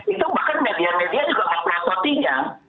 itu bahkan media media juga memprototi nya